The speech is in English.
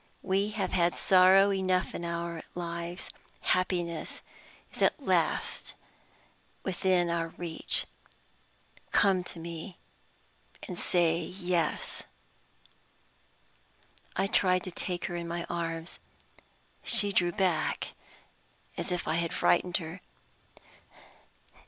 We have had sorrow enough in our lives. Happiness is at last within our reach. Come to me, and say Yes." I tried to take her in my arms. She drew back as if I had frightened her.